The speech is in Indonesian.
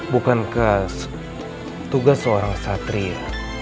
bukankah tugas seorang satria